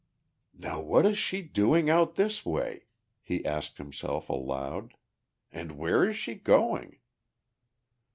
"Now what is she doing out this way?" he asked himself aloud. "And where is she going?"